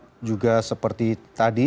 harap juga seperti tadi